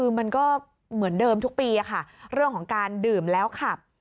คือมันก็เหมือนเดิมทุกปีค่ะเรื่องของการดื่มแล้วขับ